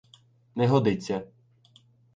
— Не годиться.